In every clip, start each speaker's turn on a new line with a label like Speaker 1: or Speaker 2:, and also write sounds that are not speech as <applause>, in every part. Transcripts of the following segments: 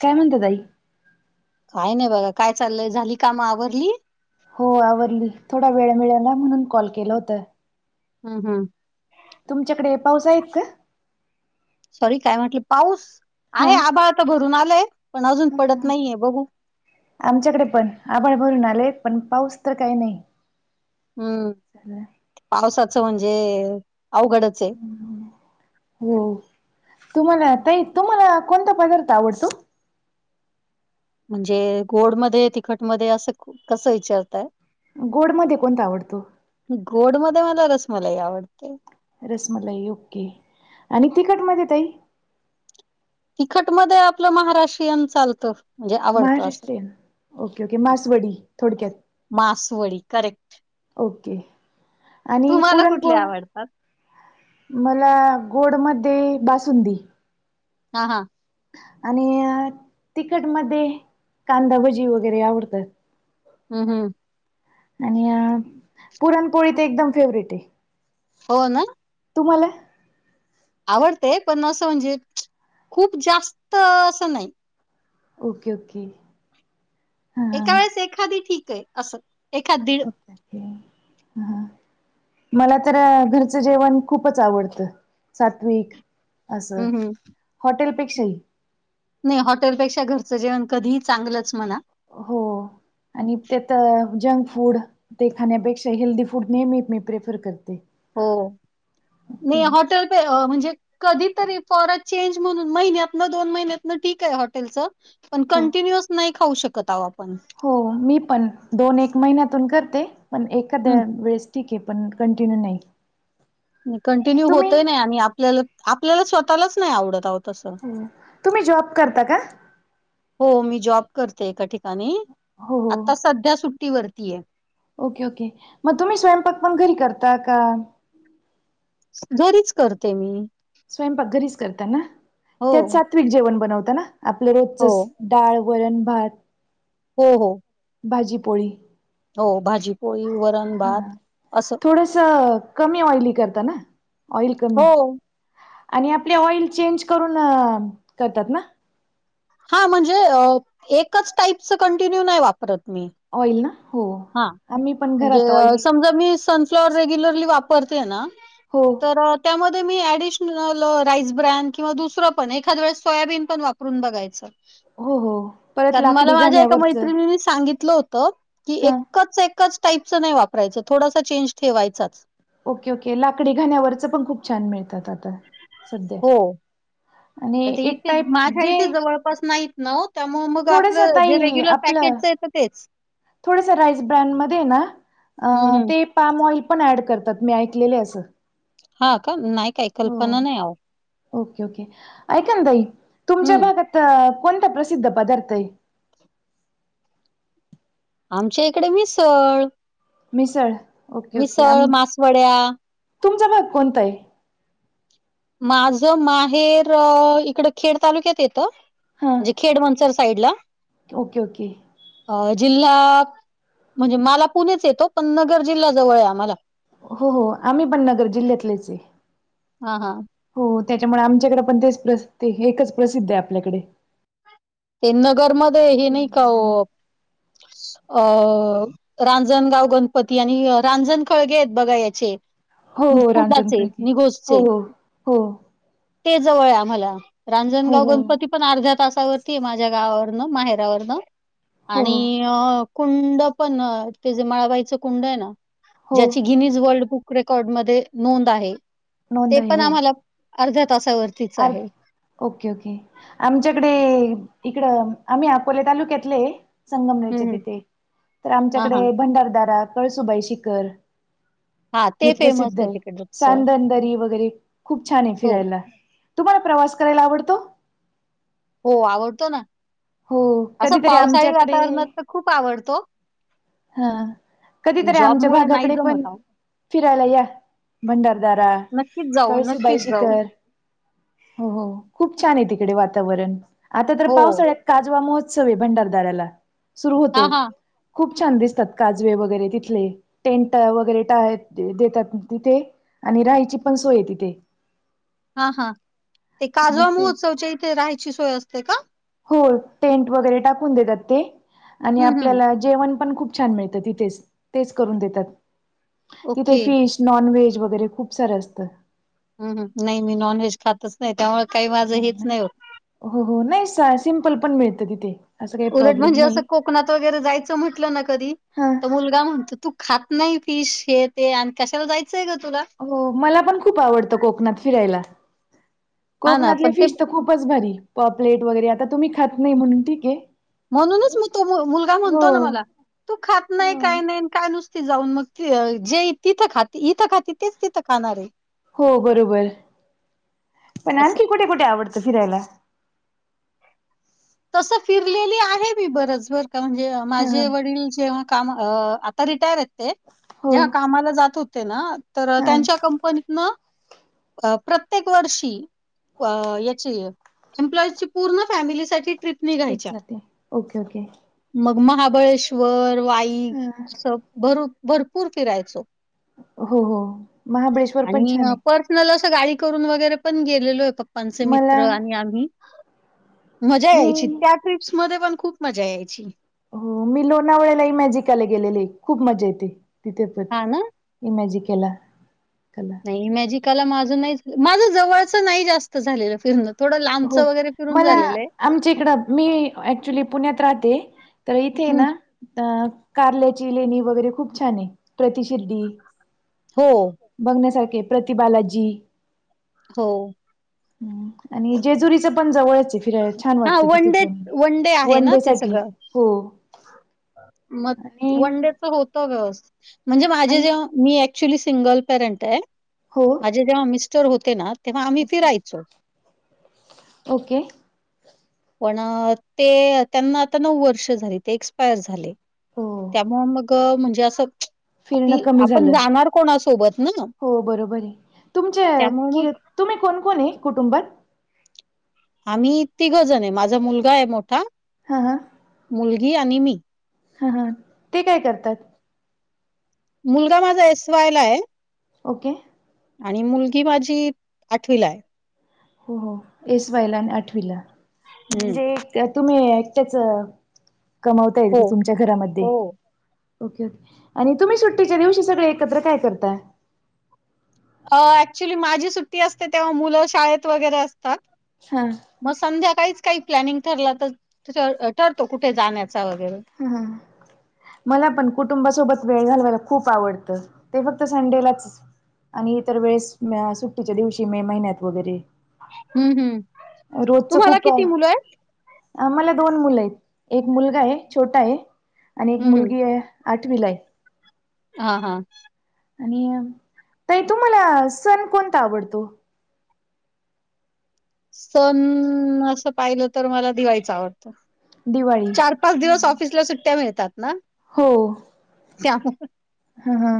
Speaker 1: काय म्हणते ताई.
Speaker 2: काय नाही बघा काय चाललंय झाली काम आवरली.
Speaker 1: हो आवरली थोडा वेळ मिळाला ना म्हणून कॉल केलं होता.
Speaker 2: हम हम.
Speaker 1: तुमच्याकडे पाऊस आहेत का?
Speaker 2: सॉरी काय म्हटलं पाऊस
Speaker 1: हा
Speaker 2: आहे आभाळ तर भरून आलाय पण अजून पडत नाहीये बघू.
Speaker 1: आमच्याकडे पण आभाळ भरून आले पण पाऊस तर काही नाही.
Speaker 2: हमम.
Speaker 1: <inaudible>
Speaker 2: पावसाचं म्हणजे अवघडचेय.
Speaker 1: हो तुम्हाला ताई तुम्हाला कोणता पदार्थ आवडतो.
Speaker 2: म्हणजे गोडमध्ये तिखट मध्ये असं कसं विचारतय.
Speaker 1: गोडमध्ये कोणता आवडतो?
Speaker 2: गोड मध्ये मला रसमलाई आवडते.
Speaker 1: रसमलाई ओके आणि तिखट मध्ये ताई?
Speaker 2: तिखट मध्ये आपलं महाराष्ट्रीयन चालतं. म्हणजे आवडतं असं.
Speaker 1: महाराष्ट्रयन ओके ओके मासवडी थोडक्यात.
Speaker 2: मासवडी करेक्ट.
Speaker 1: ओके आणि
Speaker 2: तुम्हाला कुठले
Speaker 1: पुरणपोळ्या?
Speaker 2: आवडतात?
Speaker 1: मला गोडमध्ये बासुंदी.
Speaker 2: हा हा.
Speaker 1: आणि तिखट मध्ये कांदाभजी वगैरे आवडत.
Speaker 2: हम् हमम.
Speaker 1: आणि पुरणपोळी तर एकदम फेवरेट आहे.
Speaker 2: हो ना.
Speaker 1: तुम्हाला?
Speaker 2: आवडते पण असं म्हणजे खूप जास्त असं नाही.
Speaker 1: Okay okay. हा
Speaker 2: एका वेळेस एखादी ठीकय असं एखाद दिड.
Speaker 1: हा. मला तर घरचं जेवण खूपच आवडतं सात्विक. असं
Speaker 2: हम्म, हम्म.
Speaker 1: हॉटेलपेक्षाही.
Speaker 2: नाही हॉटेलपेक्षा घरचं जेवण कधीही चांगलंच म्हणा
Speaker 1: हो आणि त्यात जंक फूड ते खाण्यापेक्षा हेल्दीी फूड नेहमीित मी प्रेफर करते
Speaker 2: हो म
Speaker 1: ओके
Speaker 2: हॉटेल पे म्हणजे कधीतरी फॉरे चेंज म्हणून महिन्यातन दोन महिन्यातन ठीक आहे हॉटेलच पण
Speaker 1: हो.
Speaker 2: कंटिन्युअस नाही खाऊ शकत आहो आपण
Speaker 1: हो मी पण दोन एक महिन्यातून करते पण एखाद्या
Speaker 2: हं,
Speaker 1: वेळेस ठीक आहे पण कंटिन्यू नाही
Speaker 2: कंटिन्यू होतय
Speaker 1: तुम्ही
Speaker 2: नाही आणि आपल्याला आपल्याला स्वतःलाच नाही आवडत आवत
Speaker 1: तुम्ही जॉब करता का
Speaker 2: हो मी जॉब करते एका ठिकाणी
Speaker 1: हो
Speaker 2: आता
Speaker 1: हो
Speaker 2: सध्या सुट्टीवररतीय
Speaker 1: ओके ओके मग तुम्ही स्वयंपाक पण घरी करता का
Speaker 2: घरीच करते मी
Speaker 1: स्वयंपाक घरीच करतना
Speaker 2: हो.
Speaker 1: त्यात सात्विक जेवण बनवताना आपलं
Speaker 2: हो.
Speaker 1: रोजच डाळ गोरण भात
Speaker 2: हो हो
Speaker 1: भाजीप
Speaker 2: हो भाजी होय वर
Speaker 1: हा थोडस कमी ऑइली करता ना ऑइल
Speaker 2: हो
Speaker 1: कमी आणि आपले ऑइल चेंज करून करतात ना
Speaker 2: हा म्हणजे एकच टाईपच कंटिन्यू नाही वापरत मी
Speaker 1: ऑइल ना हो
Speaker 2: हा
Speaker 1: आम्ही पण घरात
Speaker 2: म्हणजे
Speaker 1: ऑइल
Speaker 2: समजा मी फ्लॉर रेग्युलरली वापरते ना
Speaker 1: हो
Speaker 2: तर त्यामध्ये मी ऍडिशनल राईस ब्रॅड किंवा दुसरं पण एखाद वेळेस सोयाबीन पण वापरून बघायचं
Speaker 1: हो हो परत
Speaker 2: कारण मला
Speaker 1: लाकडी
Speaker 2: माझ्या एका
Speaker 1: घाण्यावरचं
Speaker 2: मैत्रिणीनीी सांगितलं होत की
Speaker 1: हा
Speaker 2: एकच एकच टाईपचं नाही वापरायचं थोडासा चेंज ठेवायचाच
Speaker 1: ओके ओके लाकडी घाण्यावरच पण खूप छान मिळतात आता सध्या
Speaker 2: हो. तर
Speaker 1: आणि
Speaker 2: ते
Speaker 1: एक
Speaker 2: इथे
Speaker 1: टाईप
Speaker 2: माझ्या
Speaker 1: जे
Speaker 2: इथे जवळपास नाहीत नव त्यामुळे मग
Speaker 1: थोडस
Speaker 2: आपलं जे
Speaker 1: ताई
Speaker 2: रेग्युलर
Speaker 1: आपलं
Speaker 2: पॅकेटचं आहेेतं तेच
Speaker 1: थोडस राईस ब्रँड म ना
Speaker 2: हं, हं.
Speaker 1: ते पाम ऑइल पण ॲड करतात मी ऐकलेले असं
Speaker 2: हा का नाही काय
Speaker 1: हो
Speaker 2: कल्पना नाही आ
Speaker 1: ओके ओके ऐकई तुमच्या
Speaker 2: हं.
Speaker 1: भागात कोणता प्रसिद्ध पदार्थ आहे
Speaker 2: आमच्या इकडे मिसळ
Speaker 1: मिसळ ओके ओके
Speaker 2: मिसळ,
Speaker 1: आम
Speaker 2: मासवड्या.
Speaker 1: तुमचा भाग कोणता आहे
Speaker 2: माझं माहेर इकड खेड तालुक्यात येतं
Speaker 1: हा
Speaker 2: म्हणजे खेड मनसर साईड ला
Speaker 1: ओके ओके
Speaker 2: अ जिल्हा म्हणजे मला पुणेच येतो पण नगर जिल्हा जवळ आहे आ मला
Speaker 1: हो हो आम्ही बडनगर जिल्ह्यातलेच आहे
Speaker 2: हा हा
Speaker 1: हो त्याच्यामुळे आमच्याकडे पण तेच प्र एकच प्रसिद्ध आहे आपल्याकडे
Speaker 2: ते नगर मध्ये हे नाही का अ रांजणगाव गणपती आणि रांजण खळगे आहेत बघा याचे
Speaker 1: हो
Speaker 2: न
Speaker 1: हो रांजण
Speaker 2: कुंडाचे
Speaker 1: खळगे हो
Speaker 2: निघोषचे
Speaker 1: हो हो
Speaker 2: ते जवळ आहे आम्हाला
Speaker 1: हो
Speaker 2: रांजणगाव
Speaker 1: हो
Speaker 2: गणपती पण अर्ध्या तासावर त माझ्या गावावरन माहेरावरन
Speaker 1: हो हो
Speaker 2: आणि अ कुंड पण ते जे मळवायचं कुंड आहे ना,
Speaker 1: हो
Speaker 2: ज्याची गिनीज वर्ल्ड बुक रेकॉर्ड मध्ये नोंद आहे,
Speaker 1: नोंद
Speaker 2: ते
Speaker 1: आहे
Speaker 2: पण
Speaker 1: हो
Speaker 2: आम्हाला अर्ध्या तासावर
Speaker 1: अर ओके ओके, आमच्याकडे इकडं आम्ही अकोले तालुक्यातले.
Speaker 2: हं,
Speaker 1: संगमनेरच्या
Speaker 2: हं.
Speaker 1: तिथे, तर
Speaker 2: हां,
Speaker 1: आमच्याकडे
Speaker 2: हां.
Speaker 1: भंडारदारा, कळसुबाई शिखर
Speaker 2: हां,
Speaker 1: हे
Speaker 2: ते फेमस
Speaker 1: प्रसिद्ध आहे,
Speaker 2: तिकडचं.
Speaker 1: सांदन दरी वगैरे खूप छान आहे
Speaker 2: हो,
Speaker 1: फिरायला. तुम्हाला प्रवास करायला आवडतो?
Speaker 2: हो आवडतो ना,
Speaker 1: हो
Speaker 2: असं
Speaker 1: कधीतरी
Speaker 2: पावसाळी वातावरणात
Speaker 1: आमच्याकडे
Speaker 2: तर खूप आवडतो.
Speaker 1: हा,
Speaker 2: पण
Speaker 1: कधीतरी आमच्या
Speaker 2: जॉबमुळे नाही
Speaker 1: भागाकडे पण
Speaker 2: जमत अहो.
Speaker 1: फिरायला या, भंडारदारा,
Speaker 2: नक्कीच जाऊ,
Speaker 1: कळसुबाई
Speaker 2: नक्कीच जाऊ.
Speaker 1: शिखर. हो हो, खूप छान आहे तिकडे वातावरण आता तर
Speaker 2: हो.
Speaker 1: पावसाळ्यात काजवा महोत्सव आहे भंडारदाऱ्याला सुरू
Speaker 2: हां,
Speaker 1: होतो.
Speaker 2: हां.
Speaker 1: खूप छान दिसतात काजवे वगैरे तिथले, टेंट वगैरे ट देतात तिथे. आणि राहायची पण सोय तिथे.
Speaker 2: हा हा, ते
Speaker 1: मग
Speaker 2: काजवा
Speaker 1: ते
Speaker 2: महोत्सवच्या इथे राहायची सोय असते का?
Speaker 1: हो टेंट वगैरे टाकून देतात ते, आणि
Speaker 2: हं, हं.
Speaker 1: आपल्याला जेवण पण खूप छान मिळतं तिथेच, तेच करून देतात. तिथे
Speaker 2: ओके.
Speaker 1: फिश नॉन व्हेज वगैरे, खूप सारं असतं.
Speaker 2: ह नाही मी नॉनव्हेज खातच नाही, त्यामुळ काही माझं हेच नाही होत.
Speaker 1: हो हो नाही, सिम्पल पण मिळतं तिथे. असं काही
Speaker 2: उलट
Speaker 1: प्रॉब्लेम
Speaker 2: म्हणजे असं
Speaker 1: नाही
Speaker 2: कोकणात वगैरे जायचं म्हटलं ना कधी,
Speaker 1: हा
Speaker 2: तर मुलगा म्हणतो तू खात नाही फिश हे ते, आणि कशाला जायचंय ग तुला.
Speaker 1: हो मला पण खूप आवडतं कोकणात फिरायला.
Speaker 2: हा ना
Speaker 1: कोकणातले
Speaker 2: पण ते
Speaker 1: फिश तर खूपच भारी. पॉपलेट वगैरे आता तुम्ही खात नाही म्हणून ठीके.
Speaker 2: म्हणूनच मी तो मुलगा म्हणतो ना मला, तू खात नाही
Speaker 1: हो
Speaker 2: काय नाही काय नुसते जाऊन मग, जे तिथं खाते इथं खाते तेच तिथं खाणारय.
Speaker 1: हो बरोबर. पण
Speaker 2: असं
Speaker 1: आणखी कुठे कुठे आवडतं फिरायला?
Speaker 2: तस फिरलेली आहे मी बरंच बरं का म्हणजे.
Speaker 1: ह ह
Speaker 2: माझे वडील जेव्हा काम अ -आता रिटायर हायत ते,
Speaker 1: हो
Speaker 2: जेव्हा कामाला जात होते ना तर
Speaker 1: हां
Speaker 2: त्यांच्या कंपनीतन, प्रत्येक वर्षी याची एम्प्लॉईची पूर्ण फॅमिलीसाठी ट्रिप
Speaker 1: स्ट्रिप
Speaker 2: निघायच्या.
Speaker 1: जाते, ओके ओके.
Speaker 2: मग महाबळेश्वर, वाई
Speaker 1: हम
Speaker 2: असं भर भरपूर फिरायचो.
Speaker 1: हो हो महाबळेश्वर पण
Speaker 2: आणि
Speaker 1: छानय.
Speaker 2: <unintelligible> असं गाडी करून वगैरे पण गेलेलो आहे, पप्पांचे
Speaker 1: मला
Speaker 2: मित्र आणि आम्ही. मजा
Speaker 1: मी
Speaker 2: यायची, त्या ट्रिप्स मध्ये पण खूप मजा यायची.
Speaker 1: हो मी लोणावळ्यालाही मॅजिकाला गेलेले, खूप मजा येते तिथे पण.
Speaker 2: हां ना?
Speaker 1: इमॅजिकेला, कला.
Speaker 2: मॅजिकला माझ नाहीच, माझ जवळच नाही जास्त झालेलं फिरण. थोडं लांबच
Speaker 1: हो
Speaker 2: वगैरे फिरून
Speaker 1: मला
Speaker 2: झालेलं आहे.
Speaker 1: आमच्या इकडं मी ऍक्च्युली पुण्यात राहते. तर इथे
Speaker 2: हं.
Speaker 1: ना अ -कार्ल्याची लेणी वगैरे खूप छान आहे, प्रतिशिर्डी
Speaker 2: हो.
Speaker 1: बघण्यासारखे प्रतिबालाजी.
Speaker 2: हो.
Speaker 1: आणि जेजुरीचं पण जवळचय फिरायला. छान
Speaker 2: हां,
Speaker 1: वाटतं तिथे
Speaker 2: वन डे
Speaker 1: पण
Speaker 2: आहे
Speaker 1: वन
Speaker 2: ना
Speaker 1: डे
Speaker 2: ते
Speaker 1: साठी.
Speaker 2: सगळं?
Speaker 1: हो.
Speaker 2: मग
Speaker 1: आणि
Speaker 2: वन डेच होत व्यवस्थित. म्हणजे माझे
Speaker 1: आणि
Speaker 2: जे मी ऍक्च्युली सिंगल पेरंट आहे.
Speaker 1: हो
Speaker 2: माझे जेव्हा मिस्टर होते ना तेव्हा आम्ही
Speaker 1: ओके
Speaker 2: फिरायचो.
Speaker 1: ओके
Speaker 2: पण ते त्यांना आता नऊ वर्ष झाली ते एक्सपायर झाले
Speaker 1: हो
Speaker 2: त्यामु मग म्हणजे असं
Speaker 1: फिरण
Speaker 2: आपली
Speaker 1: कमी
Speaker 2: आपण
Speaker 1: झालं
Speaker 2: जाणार कोणासोबत ना,
Speaker 1: हो बरोबर आहे तुमचे
Speaker 2: त्यामुळे
Speaker 1: कि
Speaker 2: मग
Speaker 1: तुम्ही कोणक कोण आहे कुटुंबात
Speaker 2: आम्ही तिघजण आहे माझा मुलगा आहे मोठा
Speaker 1: हां
Speaker 2: मुलगी आणि मी
Speaker 1: हा हा ते काय करतात
Speaker 2: मुलगा माझा एस वायला आहे
Speaker 1: ओके
Speaker 2: आणि मुलगी भाजी आठवीला आहे
Speaker 1: हो हो एस वायला आणि आठवीला
Speaker 2: हं.
Speaker 1: म्हणजे तुम्ही एकट्याच कमावता ये
Speaker 2: हो,
Speaker 1: का तुम घरामध्ये
Speaker 2: हो.
Speaker 1: ओके ओके आणि तुम्ही सुट्टीच्या दिवशी सगळे एकत्र काय करता
Speaker 2: अ ऍक्च्युली माझी सुट्टी असते तेव्हा मुलं शाळेत वगैरे असतात
Speaker 1: हा
Speaker 2: मग संध्याकाळीच काही प्लॅनिंग ठरला तर ठरतो कुठे जाण्याचा वगैरे
Speaker 1: हम् मला पण कुटुंबासोबत वेळ घलवायला खूप आवडतं ते फक्त संडेलाच आणि इतर वेळेस सुट्टीच्या दिवशी मे महिन्यात वगैरे
Speaker 2: हम्म हम् तुम्हाला किती मुलं आहेत
Speaker 1: आम्हाला दोन मुलं आहेत एक मुलगा आहे छोटा आहे आणि एक
Speaker 2: हम्म हम्म
Speaker 1: मुलगी आहे आठवीलाय
Speaker 2: हा हा
Speaker 1: आणि त तुम्हाला सण कोणता आवडतो
Speaker 2: सण असं पाहिलं तर मला दिवाळीच आवडत
Speaker 1: दिवाळी
Speaker 2: चार पाच दिवस िसल्या सुट्ट्या मिळतात ना
Speaker 1: हो
Speaker 2: त्या
Speaker 1: हा हा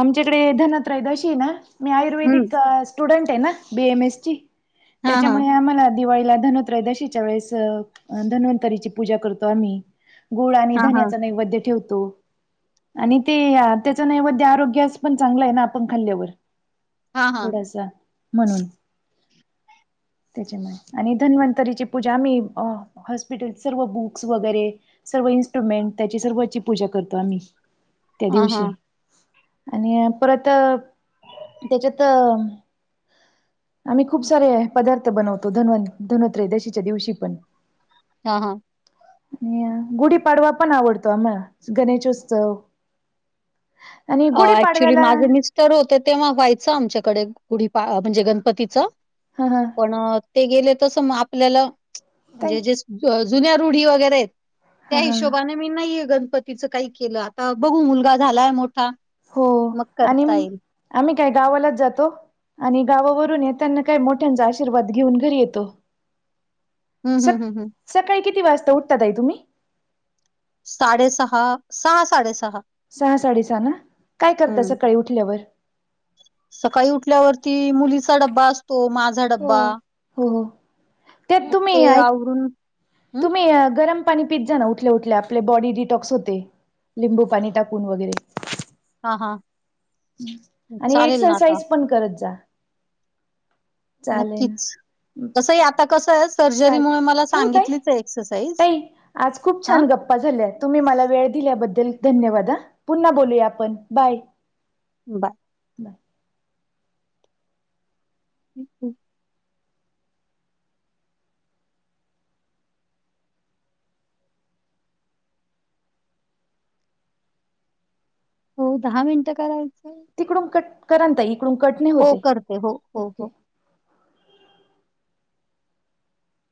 Speaker 1: आमच्याकडे धनत्रयद अशी ना मी
Speaker 2: हम्म
Speaker 1: आयुर्वेदिक स्टुडन्ट आहे ना बीएमएस ची
Speaker 2: हा हा
Speaker 1: त्याच्यामुळे आम्हाला दिवाळीला धन त्रयोदशीच्या वेळेस धन्वंतरीची पूजा करतो आम्ही गुळ आणि
Speaker 2: हा हा
Speaker 1: धन्याच नैवेद्य ठेवतो आणि ते ते या त्याचा नैवेद्य आरोग्यास पण चांगलं आहे ना आपण खाल्ल्यावर
Speaker 2: हा हा
Speaker 1: थोडासा म्हणून
Speaker 2: <unintelligible>
Speaker 1: त्याच्यामुळे आणि धन्वंतरीची पूजा आम्ही हॉस्पिटल सर्व बुक्स वगैरे सर्व इन्स्ट्रुमेंट त्याची सर्वची पूजा करतो आम्ही त्या
Speaker 2: हा हा
Speaker 1: दिवशी आणि परत त्याच्यात आम्ही खूप सारे पदार्थ बनवतो धनो त्रईच्या दिवशी पण
Speaker 2: हा हा
Speaker 1: गुढीपाडवा पण आवडतो आम्हाला गणेशोत्सव आणि
Speaker 2: अ ऍक्च्युली
Speaker 1: गुढीपाडव्याला
Speaker 2: माझं मिस्टर होते तेव्हा व्हायचं आमच्याकडे म्हणजे गणपतीचं
Speaker 1: हा हा
Speaker 2: पण ते गेले तस आपल्याला
Speaker 1: ताई
Speaker 2: म्हणजे जे जुन्या रुढी वगैरे आहेत त्या
Speaker 1: हा हा
Speaker 2: हिशोबाने मी नाहीये गणपतीचं काही केलं आता बघू मुलगा झालाय मोठा
Speaker 1: हो
Speaker 2: मग
Speaker 1: आणि
Speaker 2: करता येईल.
Speaker 1: आम्ही काय गावालाच जातो आणि गावावरून येताना काय मोठ्यांचा आशीर्वाद घेऊन घरी येतो
Speaker 2: हम्
Speaker 1: स
Speaker 2: हम हम हम
Speaker 1: सकाळी किती वाजता उठता ताई तुम्ही
Speaker 2: साडेसहा सहा साडेसहा
Speaker 1: सहा साडेसहा ना काय करता सकाळी उठल्यावर
Speaker 2: सकाळी उठल्यावरती मुलीचा डब्बा असतो माझा
Speaker 1: हो.
Speaker 2: डब्बा
Speaker 1: हो हो त्यात
Speaker 2: मग
Speaker 1: तुम्ही
Speaker 2: ते
Speaker 1: ऐ
Speaker 2: आवरून हं,
Speaker 1: तुम्ही गरम पाणी पीत जा ना उठल्या उठल्या आपले बॉडी डिटॉक्स होते लिंबू पाणी टाकून वगैरे
Speaker 2: हा हा
Speaker 1: आणि एक्सरसाइज पण करत जा चालेल.
Speaker 2: नक्कीच तसं आता कसं आहे सर्जरी
Speaker 1: चालेल.
Speaker 2: मुळे मला
Speaker 1: ठेवू ताई?
Speaker 2: सांगितलीच आहे एक्सरसाइज
Speaker 1: ताई आज खूप
Speaker 2: हां,
Speaker 1: छान गप्पा झालेय तुम्ही मला वेळ दिल्याबद्दल धन्यवाद हा पुन्हा बोलूया आपण बाय
Speaker 2: बाय हक <unintelligible> हो दहा मिनटं करायचंय
Speaker 1: तिकडून कट कराल काय इकडून कट नाही
Speaker 2: हो
Speaker 1: होत आहे
Speaker 2: करते हो हो हो
Speaker 1: ओके.